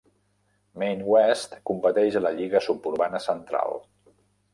Maine West competeix a la Lliga Suburbana Central.